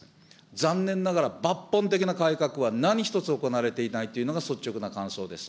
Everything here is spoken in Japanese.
残念ながら抜本的な改革は何一つ行われていないというのが、率直な感想です。